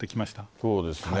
そうですね。